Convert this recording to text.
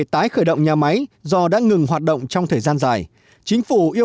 trong công tác này